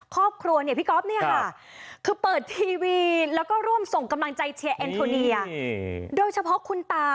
ครอบครัวเนี่ยพี่ก๊อฟเนี่ยค่ะคือเปิดทีวีแล้วก็ร่วมส่งกำลังใจเชียร์แอนโทเนียโดยเฉพาะคุณตา